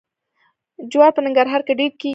جوار په ننګرهار کې ډیر کیږي.